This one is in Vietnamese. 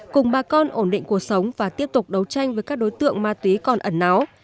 cùng bà con ổn định cuộc sống và tiếp tục đấu tranh với các đối tượng ma túy còn ẩn náo